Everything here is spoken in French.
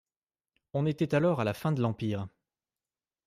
On était alors à la fin de l'Empire.